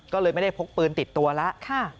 ก็เลยไม่ได้พกปืนติดตัวแล้ว